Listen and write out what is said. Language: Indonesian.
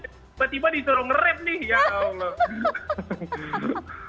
tiba tiba disuruh nge rap nih ya allah